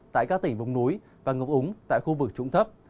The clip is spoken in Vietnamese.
tại các tỉnh vùng núi và ngập úng tại khu vực trũng thấp